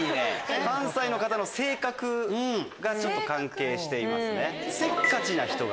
関西の方の性格がちょっと関係していますね。